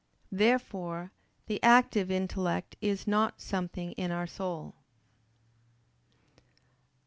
Therefore the active intellect is not something in our soul. Obj.